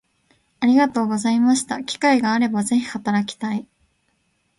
ありがとうございました機会があれば是非働きたい